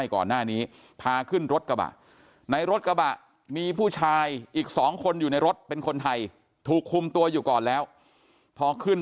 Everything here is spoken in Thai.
ก่อนหน้านี้พาขึ้นรถกระบะในรถกระบะมีผู้ชายอีก๒คนอยู่ในรถเป็นคนไทยถูกคุมตัวอยู่ก่อนแล้วพอขึ้น